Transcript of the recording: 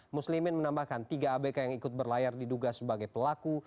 muslimin menambahkan tiga abk yang ikut berlayar diduga sebagai pelaku